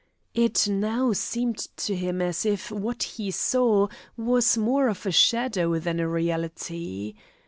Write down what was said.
It now seemed to him as if what he saw was more of a shadow than a reality.